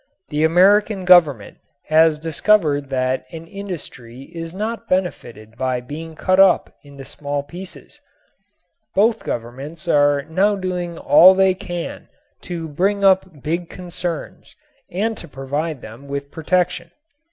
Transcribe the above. The American Government has discovered that an industry is not benefited by being cut up into small pieces. Both governments are now doing all they can to build up big concerns and to provide them with protection.